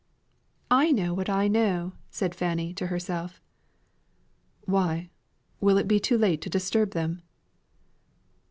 "I know what I know," said Fanny to herself. "Why? Will it be too late to disturb them?"